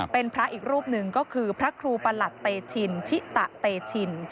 เป็นพระอีกรูปหนึ่งก็คือพระครูประหลัดเตชินชิตะเตชิน